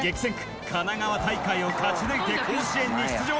神奈川大会を勝ち抜いて甲子園に出場。